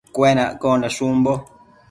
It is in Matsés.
Cuenaccondash umbo